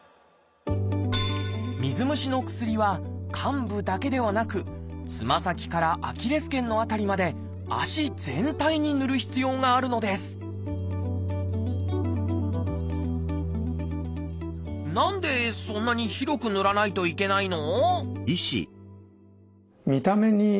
水虫の薬は患部だけではなくつま先からアキレス腱の辺りまで足全体にぬる必要があるのです何でそんなに広くぬらないといけないの？